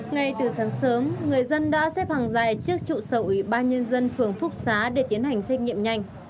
ngay từ sáng sớm người dân đã xếp hàng dài trước trụ sở ủy ban nhân dân phường phúc xá để tiến hành xét nghiệm nhanh